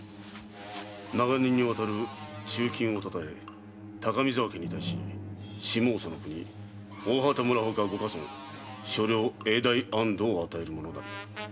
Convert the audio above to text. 「永年に渡る忠勤を称え高見沢家に対し下総の国・大畑村他五か村所領永代安堵を与えるもの也。